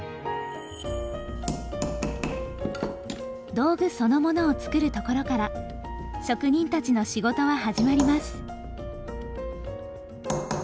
道具そのものを作るところから職人たちの仕事は始まります。